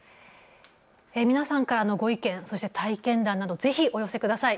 皆さんからのご意見、そして体験談などぜひお寄せください。